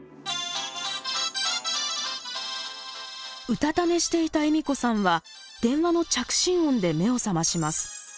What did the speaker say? うたた寝していた栄美子さんは電話の着信音で目を覚まします。